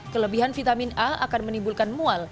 kelebihan vitamin a akan menimbulkan mual